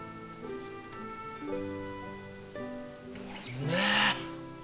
うめえ。